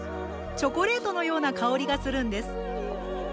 チョコレートのような香りがするんです。